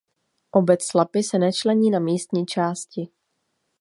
Obec Slapy se nečlení na místní části.